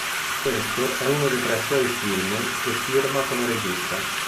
Questo è uno dei tre soli film che firma come regista.